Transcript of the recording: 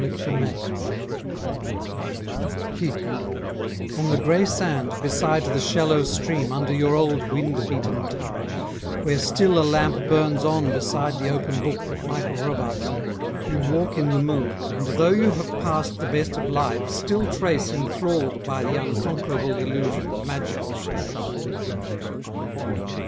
EGO DOMINUS TUUS HIC On the grey sand beside the shallow stream Under your old wind beaten tower, where still A lamp burns on beside the open book That Michael Robartes left, you walk in the moon And though you have passed the best of life still trace Enthralled by the unconquerable delusion Magical shapes.